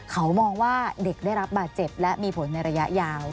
เขามองว่าเด็กได้รับบาดเจ็บและมีผลในระยะยาว